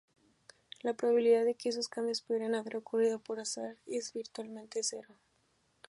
La probabilidad de que estos cambios pudieran haber ocurrido por azar es virtualmente cero.